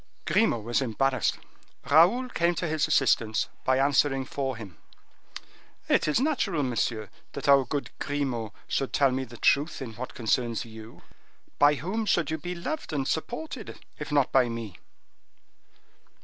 Grimaud was embarrassed; Raoul came to his assistance, by answering for him. "It is natural, monsieur, that our good Grimaud should tell me the truth in what concerns you. By whom should you be loved an supported, if not by me?"